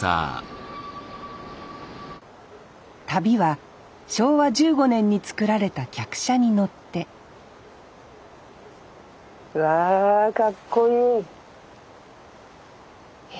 旅は昭和１５年に造られた客車に乗ってうわかっこいい。